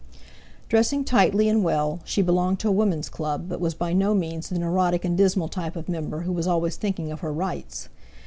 Dressing tightly and well, she belonged to a Woman's Club, but was by no means the neurotic and dismal type of member who was always thinking of her rights.